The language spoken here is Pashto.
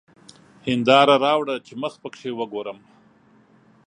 هېنداره راوړه چي مخ پکښې وګورم!